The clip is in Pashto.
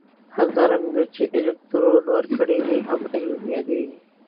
همدارنګه چې الکترون ورکړی وي هم ایون یادیږي.